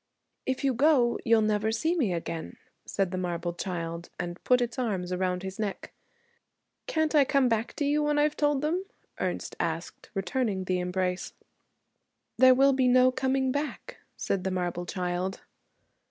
'If you go, you'll never see me again,' said the marble child, and put its arms round his neck. 'Can't I come back to you when I've told them?' Ernest asked, returning the embrace. 'There will be no coming back,' said the marble child.